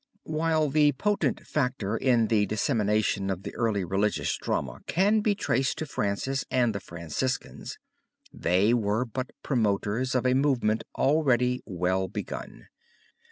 While the most potent factor in the dissemination of the early religious drama can be traced to Francis and the Franciscans, they were but promoters of a movement already well begun.